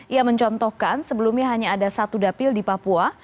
ia mencontohkan sebelumnya hanya ada satu dapil di papua